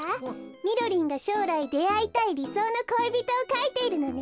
みろりんがしょうらいであいたいりそうの恋人をかいているのね。